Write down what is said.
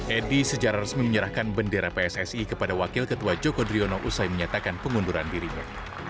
edi secara resmi menyerahkan bendera pssi kepada wakil ketua joko driono usai menyatakan pengunduran dirinya